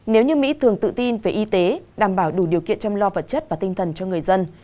nếu như mỹ thường tự tin về y tế đảm bảo đủ điều kiện chăm lo vật chất và tinh thần cho người dân